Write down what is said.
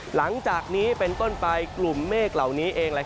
หลังจากนี้เป็นต้นไปกลุ่มเมฆเหล่านี้เอง